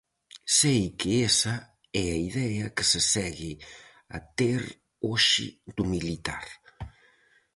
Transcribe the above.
Sei que esa é a idea que se segue a ter hoxe do militar.